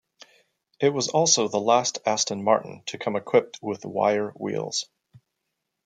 It was also the last Aston Martin to come equipped with wire wheels.